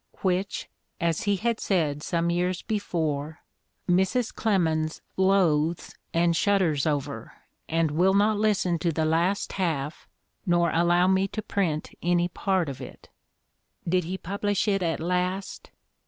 — which, as he had said some years before, "Mrs. Clemens loathes, and shudders over, and will not listen to the last half nor allow me to print any part of it." Did he publish it at last?